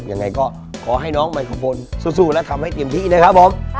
ยังไงก็ขอให้น้องไมโครพลสู้และทำให้เต็มที่นะครับผม